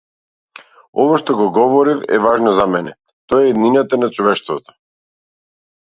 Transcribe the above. Ова што го говорев е важно за мене - тоа е иднината на човештвото.